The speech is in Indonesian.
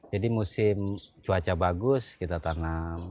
jadi musim cuaca bagus kita tanam